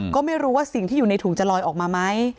ก็ไม่รู้ว่าสิ่งที่อยู่ในถุงจะลอยออกมาไหม